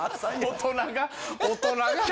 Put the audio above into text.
大人が大人が。